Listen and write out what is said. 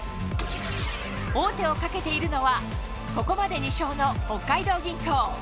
王手をかけているのはここまで２勝の北海道銀行。